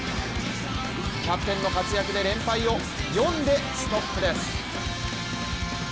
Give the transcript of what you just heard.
キャプテンの活躍で連敗を４でストップです。